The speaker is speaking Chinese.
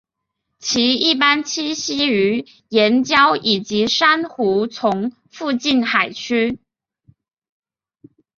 其一般栖息于岩礁以及珊瑚丛附近海区。